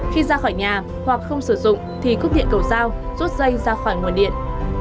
khi ra khỏi nhà hoặc không sử dụng thì cúp điện cầu giao rút dây ra khỏi nguồn điện